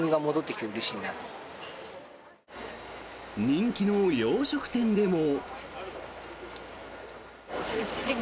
人気の洋食店でも。